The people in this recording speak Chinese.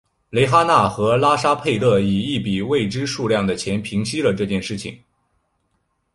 蕾哈娜和拉沙佩勒以一笔未知数量的钱平息了这件事情。